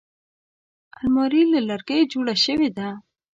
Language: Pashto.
الماري له لرګیو جوړه شوې ده